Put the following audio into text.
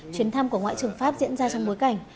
chuyến thăm của ngoại trưởng pháp diễn ra trong bối cảnh